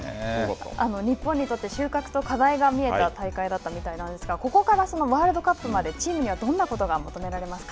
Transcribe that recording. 日本にとって収穫と課題が見えた大会だったみたいなんですが、ここからワールドカップまでチームにはどんなことが求められますか。